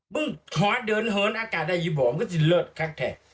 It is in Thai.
มึงขอดเดินเหินอากาศได้อยู่บ่อมก็จะเลิศคักแทะ